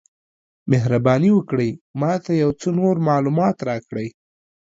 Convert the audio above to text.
مهرباني وکړئ ما ته یو څه نور معلومات راکړئ؟